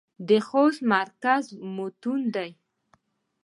د خوست مرکز متون دى.